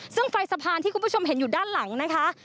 ซึ่งไฟสะพานที่คุณผู้ชมเห็นอยู่ด้านหลังนะคะ